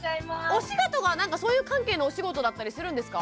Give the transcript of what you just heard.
お仕事がなんかそういう関係のお仕事だったりするんですか？